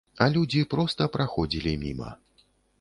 А людзі проста праходзілі міма.